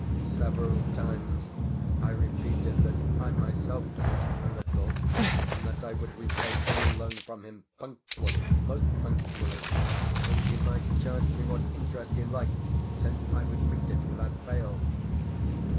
Several times I repeated that I myself possessed a little, and that I would repay any loan from him punctually, most punctually, and that he might charge me what interest he liked, since I would meet it without fail.